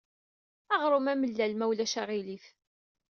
Aɣrum amellal, ma ulac aɣilif.